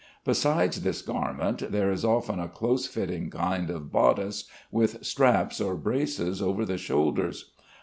Besides this garment, there is often a close fitting kind of bodice with straps or braces over the shoulders.